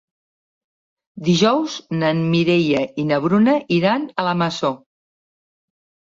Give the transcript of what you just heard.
Dijous na Mireia i na Bruna iran a la Masó.